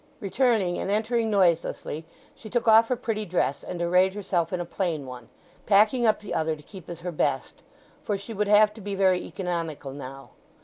Returning and entering noiselessly she took off her pretty dress and arrayed herself in a plain one, packing up the other to keep as her best; for she would have to be very economical now.